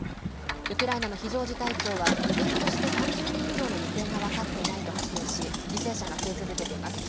ウクライナの非常事態庁は依然として３０人以上の行方が分かっていないと発表し犠牲者が増え続けています。